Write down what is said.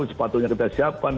sepatunya kita siapkan